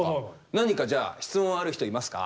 何かじゃあ質問ある人いますか？